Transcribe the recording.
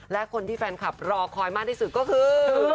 และคนที่แฟนคลับรอคอยมากที่สุดก็คือ